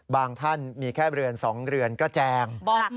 ท่านมีแค่เรือน๒เรือนก็แจง